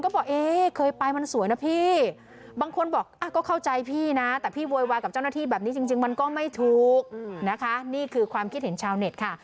แบบนี้จริงจริงมันก็ไม่ถูกนะคะนี่คือความคิดเห็นชาวเน็ตค่ะ